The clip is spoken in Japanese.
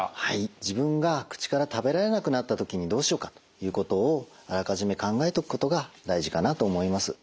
自分が口から食べられなくなった時にどうしようかということをあらかじめ考えておくことが大事かなと思います。